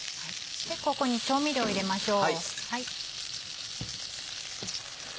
ここに調味料を入れましょう。